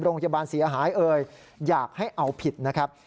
โรงพยาบาลเสียหายเอ่ยอยากให้เอาผิดนะครับ